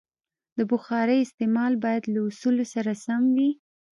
د بخارۍ استعمال باید له اصولو سره سم وي.